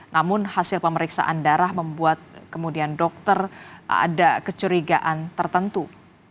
namun hasil pemeriksaan darah membuat kemudian dokter ada kecurigaan tertentu